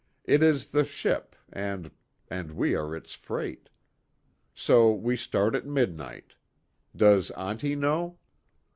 It is the ship, and and we are its freight. So we start at midnight. Does auntie know?"